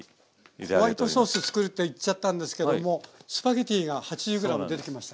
あら。ホワイトソース作るって言っちゃたんですけどもスパゲッティが８０ｇ出てきました。